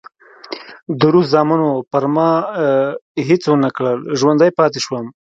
د روس زامنو پر ما هېڅ ونه کړل، ژوندی پاتې شوم.